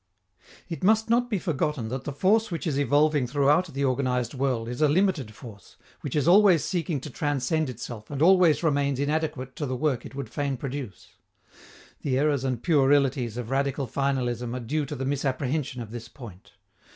It must not be forgotten that the force which is evolving throughout the organized world is a limited force, which is always seeking to transcend itself and always remains inadequate to the work it would fain produce. The errors and puerilities of radical finalism are due to the misapprehension of this point.